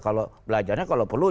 kalau belajarnya kalau perlu